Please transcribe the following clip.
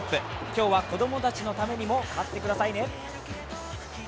今日は子供たちのためにも勝ってくださいね。